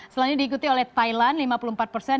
selanjutnya diikuti oleh thailand lima puluh empat persen